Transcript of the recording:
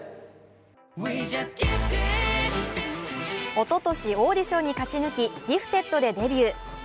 おととしオーディションに勝ち抜き、「Ｇｉｆｔｅｄ．」でデビュー。